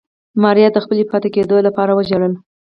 ماريا د خپلې پاتې کېدو لپاره وژړل.